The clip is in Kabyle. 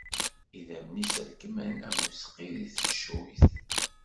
Idammen-is rekkmen am useqqi di teccuyt.